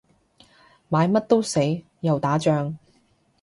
買乜都死，又打仗